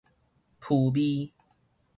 浮沬